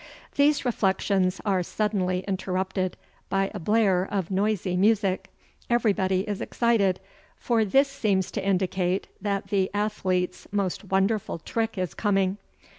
These reflections are suddenly interrupted by a blare of noisy music. Everybody is excited, for this seems to indicate that the athlete's most wonderful trick is coming.